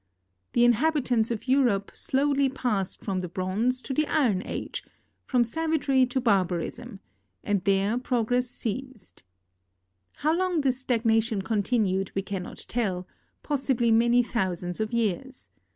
The inhabitants of Europe slowly passedfrom the Bronze to the Iron Age, from savagery to barbarism, and there progress ceased. How long this stagnation continued we cannot tell — possibly many thousands of years.